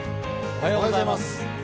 おはようございます。